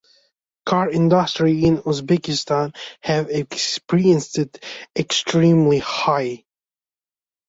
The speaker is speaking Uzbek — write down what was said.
O‘zbekistonda avtomobil savdosi sezilarli darajada oshdi